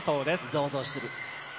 ざわざわしてる。